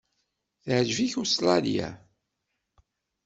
Teɛjeb-ik Ustṛalya?